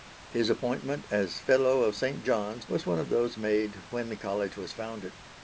His appointment as Fellow of St. John's was one of those made when the College was founded.